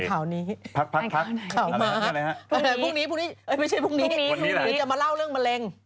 พรุ่งนี้ไม่ใช่พรุ่งนี้เดี๋ยวจะมาเล่าเรื่องมะเร็ง